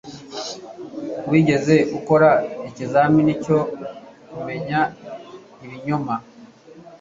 Wigeze ukora ikizamini cyo kumenya ibinyoma?